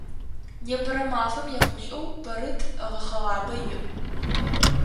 Непэрэ мафэм ехъулӏэу Пэрыт гъэхъэгъабэ иӏ.